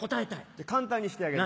簡単にしてあげる。